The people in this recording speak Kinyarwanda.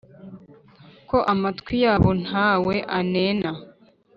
Ko amatwi yabo ntawe anena